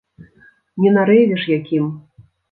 Не на рэйве ж якім.